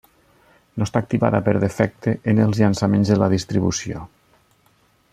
No està activada per defecte en els llançaments de la distribució.